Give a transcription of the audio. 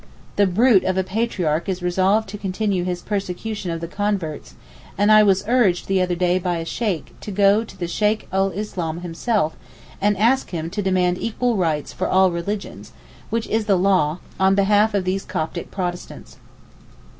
The brute of a Patriarch is resolved to continue his persecution of the converts, and I was urged the other day by a Sheykh to go to the Sheykh ul Islam himself and ask him to demand equal rights for all religions, which is the law, on behalf of these Coptic Protestants.